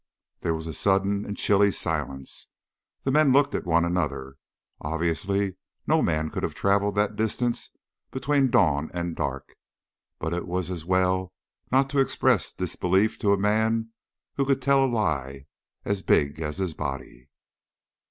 There was a sudden and chilly silence; men looked at one another. Obviously no man could have traveled that distance between dawn and dark, but it was as well not to express disbelief to a man who could tell a lie as big as his body.